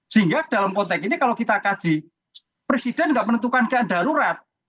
sehingga dalam konteks ini kalau kita kaji presiden tidak menentukan keadaan darurat